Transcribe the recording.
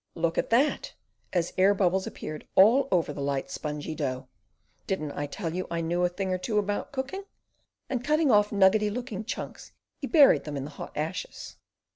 "Look at that!" as air bubbles appeared all over the light, spongy dough. "Didn't I tell you I knew a thing or two about cooking?" and cutting off nuggety looking chunks, he buried them in the hot ashes.